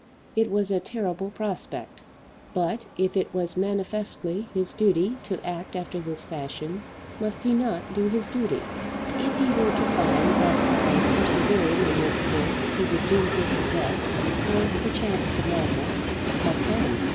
It was a terrible prospect! But if it was manifestly his duty to act after this fashion, must he not do his duty? If he were to find that by persevering in this course he would doom her to death, or perchance to madness, what then?